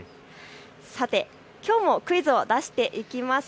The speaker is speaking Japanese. さてきょうもクイズを出していきます。